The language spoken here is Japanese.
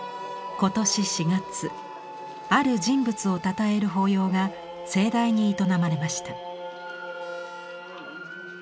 今年４月ある人物をたたえる法要が盛大に営まれました。